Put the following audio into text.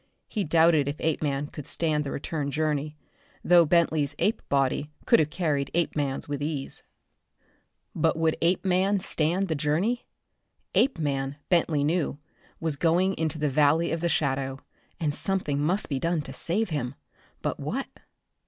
He doubted if Apeman could stand the return journey, though Bentley's ape body could have carried Apeman's with ease. But would Apeman stand the journey? Apeman, Bentley knew, was going into the Valley of the Shadow, and something must be done to save him. But what?